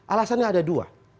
alasannya ada dua